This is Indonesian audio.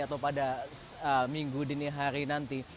atau pada minggu dini hari nanti